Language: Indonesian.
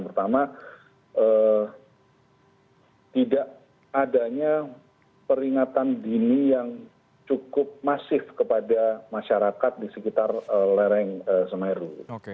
pertama tidak adanya peringatan dini yang cukup masif kepada masyarakat di sekitar lereng semeru